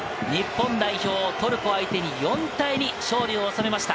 日本代表、トルコ相手に４対２、勝利を収めました。